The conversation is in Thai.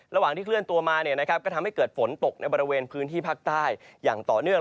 ระหว่างที่เคลื่อนตัวมาก็ทำให้เกิดฝนตกในบริเวณพื้นที่ภาคใต้อย่างต่อเนื่อง